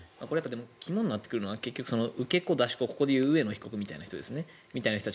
肝になってくるのは受け子、かけ子ここでいう上野被告みたいな人たち。